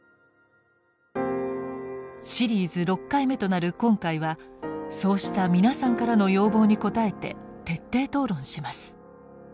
シリーズ６回目となる今回はそうした皆さんからの要望に応えて徹底討論します。